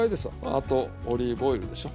あとオリーブオイルでしょ。